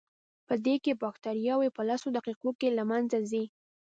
پدې کې بکټریاوې په لسو دقیقو کې له منځه ځي.